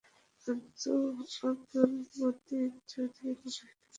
আব্দুল মতিন চৌধুরী পাকিস্তানের গণপরিষদের সদস্য ছিলেন।